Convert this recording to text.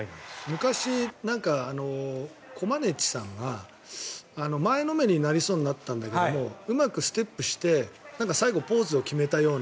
昔、コマネチさんが前のめりになりそうになったんだけどうまくステップして最後ポーズを決めたような。